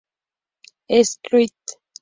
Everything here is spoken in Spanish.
Screw It!